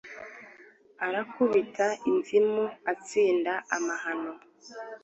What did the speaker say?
Arakubita inzimu Atsinda amahano